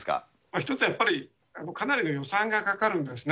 １つはやっぱり、かなりの予算がかかるんですね。